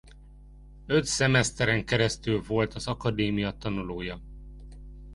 Öt szemeszteren keresztül volt az akadémia tanulója.